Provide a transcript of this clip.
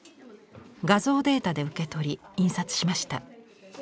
画像データで受け取り印刷しました。